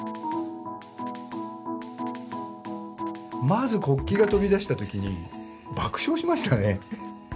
まず国旗が飛び出した時に爆笑しましたね。